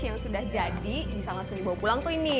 yang sudah jadi bisa langsung dibawa pulang tuh ini